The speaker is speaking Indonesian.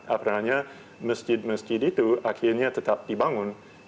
apalagi masjid masjid itu akhirnya tetap dibangun